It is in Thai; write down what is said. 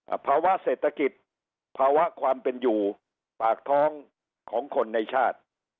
ภาวะเศรษฐกิจภาวะความเป็นอยู่ปากท้องของคนในชาติ